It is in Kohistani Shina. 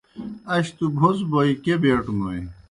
اش تُوْ بُھڅ بوئے کیْہ بیٹوْنوئے۔